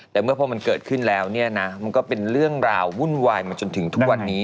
แต่เมื่อพอมันเกิดขึ้นแล้วเนี่ยนะมันก็เป็นเรื่องราววุ่นวายมาจนถึงทุกวันนี้